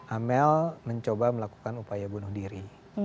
amel mencoba melakukan upaya bunuh diri